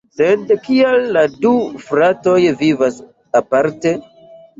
Sed kial la du "fratoj" vivas aparte?